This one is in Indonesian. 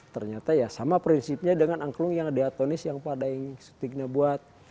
ternyata ya sama prinsipnya dengan angklung yang diatonis yang pak daeng sutikna buat